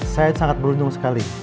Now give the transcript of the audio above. saya sangat beruntung sekali